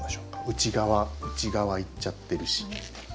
内側いっちゃってるし。